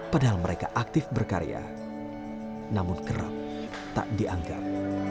padahal mereka aktif berkarya namun kerap tak dianggap